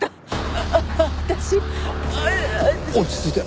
落ち着いて。